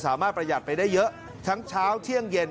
ประหยัดไปได้เยอะทั้งเช้าเที่ยงเย็น